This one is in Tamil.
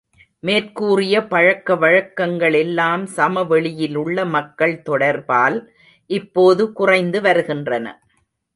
மேற் கூறிய பழக்கவழக்கங்களெல்லாம், சமவெளியிலுள்ள மக்கள் தொடர்பால் இப்போது குறைந்துவருகின்றன.